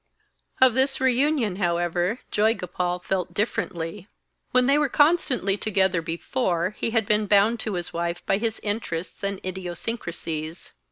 Of this reunion, however, Joygopal felt differently. When they were constantly together before he had been bound to his wife by his interests and idiosyncrasies.